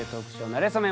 なれそめ」